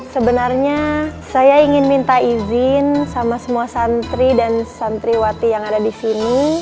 sebenarnya saya ingin minta izin sama semua santri dan santriwati yang ada di sini